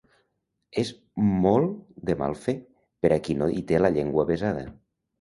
És molt de mal fer per a qui no hi té la llengua avesada.